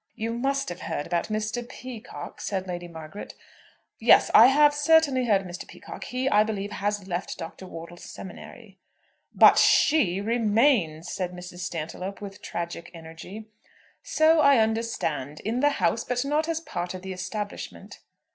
"You must have heard about Mr. Peacocke," said Lady Margaret. "Yes; I have certainly heard of Mr. Peacocke. He, I believe, has left Dr. Wortle's seminary." "But she remains!" said Mrs. Stantiloup, with tragic energy. "So I understand; in the house; but not as part of the establishment."